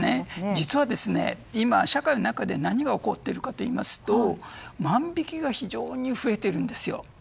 実は今、社会の中で何が起こっているかといいますと万引きが非常に増えているんです。